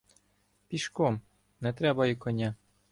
Пішком, — не треба і коня.